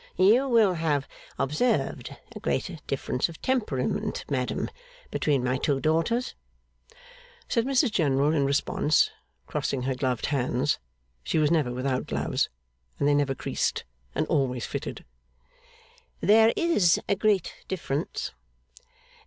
You will have observed a great difference of temperament, madam, between my two daughters?' Said Mrs General in response, crossing her gloved hands (she was never without gloves, and they never creased and always fitted), 'There is a great difference.